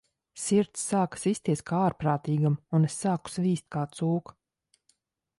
Sirds sāka sisties kā ārprātīgam, un es sāku svīst kā cūka.